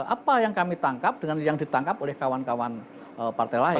apa yang kami tangkap dengan yang ditangkap oleh kawan kawan partai lain